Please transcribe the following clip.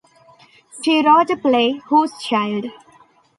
She wrote a play Whose Child?